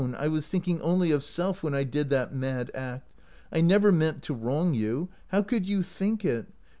I was thinking only of self when I did that mad act. I never meant to wrong you — how could you think it